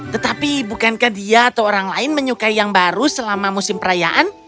tetapi bukankah dia atau orang lain menyukai yang baru selama musim perayaan